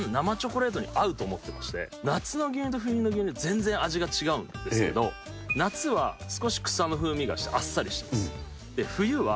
われわれ、冬の牛乳が一番生チョコレートに合うと思ってまして、夏の牛乳と冬の牛乳、全然味が違うんですけど、夏は少し草の風味がしてあっさりしてます。